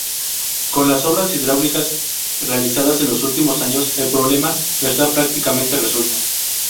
Con las obras hidráulicas realizadas en los últimos años, el problema está prácticamente resuelto.